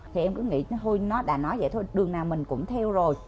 thì em cứ nghĩ nó đã nói vậy thôi đường nào mình cũng theo rồi